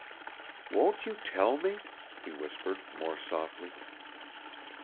"Won't you tell me?" he whispered, more softly.